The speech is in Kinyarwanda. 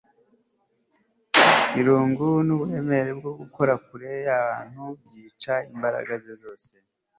Irungu nubunebwe bwo gukora kure yabantu byica imbaraga ze zose